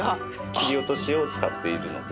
切り落としを使っているので。